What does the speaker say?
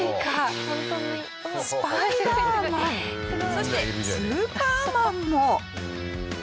そしてスーパーマンも！